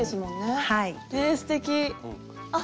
えすてき。